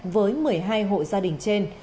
với một mươi hai hộ gia đình trên